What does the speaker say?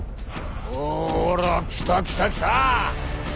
「そら来た来た来た！